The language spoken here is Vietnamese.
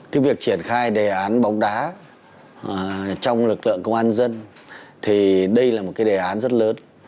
cái việc triển khai đề án bóng đá trong lực lượng công an dân thì đây là một cái đề án rất lớn